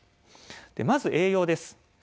まずは栄養です。